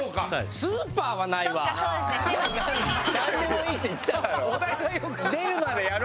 「なんでもいい」って言ってただろ。